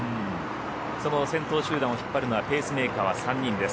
その先頭集団を引っ張るペースメーカーは３人です。